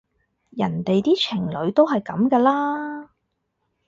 人哋啲情侶都係噉㗎啦